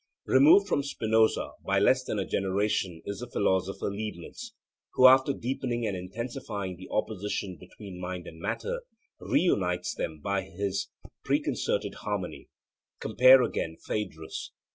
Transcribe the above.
Removed from Spinoza by less than a generation is the philosopher Leibnitz, who after deepening and intensifying the opposition between mind and matter, reunites them by his preconcerted harmony (compare again Phaedrus).